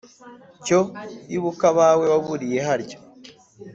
cyo ibuka abawe waburiye harya